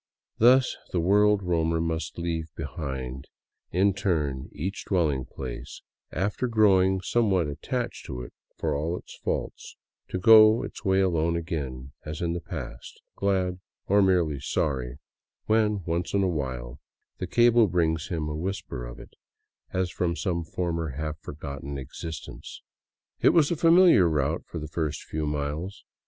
Thus the world roamer must leave behind in turn each dwelling place, after growing somewhat attached to it, for all its faults, to go its way alone again as in the past, glad — or merely sorry — when once in a while the cable brings him a whisper of it, as from some former half forgotten existence. It was a familiar route for the first few miles.